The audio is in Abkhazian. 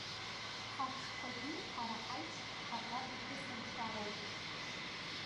Ҳаҽқәагьы ҳара ҳаиԥш ҳаӷа иԥыхьамшәароуп!